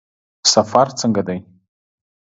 سفر څنګه دی؟